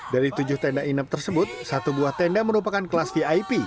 dari tujuh tenda inap tersebut satu buah tenda merupakan kelas vip